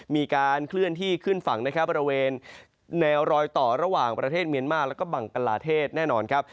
มีการเคลื่อนที่ขึ้นฝั่งนะครับบริเวณแนวรอยต่อระหว่างประเทศเมียนมาร์แล้วก็บังกลาเทศแน่นอนครับ